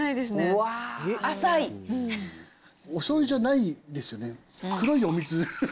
お醤油じゃないですよね。